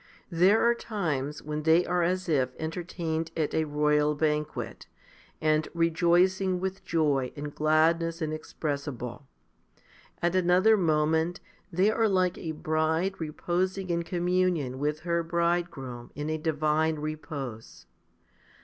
There are times when they are as if entertained at a royal banquet, and rejoicing with 'joy and gladness inexpressible. At another moment they are like a bride reposing in com munion with her bridegroom in a divine repose.